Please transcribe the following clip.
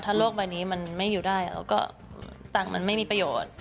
โลกใบนี้มันไม่อยู่ได้เราก็ตังค์มันไม่มีประโยชน์